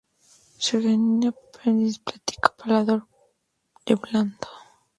Se origina de la aponeurosis palatina del paladar blando.